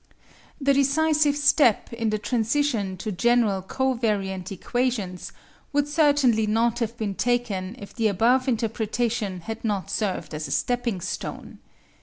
The decisive step in the transition to general co variant equations would certainly not have been taken if the above interpretation had not served as a stepping stone.